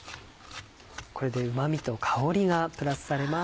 これでうま味と香りがプラスされます。